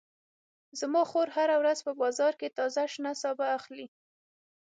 زما خور هره ورځ په بازار کې تازه شنه سابه اخلي